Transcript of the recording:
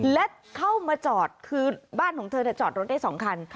และเข้ามาจอดคือบ้านของเธอจอดรถได้๒คัน